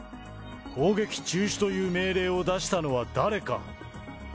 攻撃中止という命令を出したのは誰か？